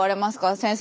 先生。